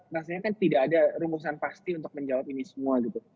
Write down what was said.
rasanya kan tidak ada rumusan pasti untuk menjawab ini semua gitu